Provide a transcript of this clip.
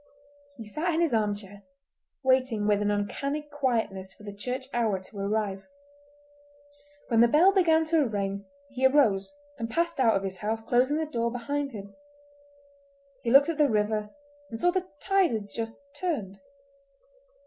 He sat in his arm chair, waiting with an uncanny quietness for the church hour to arrive. When the bell began to ring he arose and passed out of his house, closing the door behind him. He looked at the river and saw the tide had just turned.